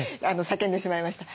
叫んでしまいました。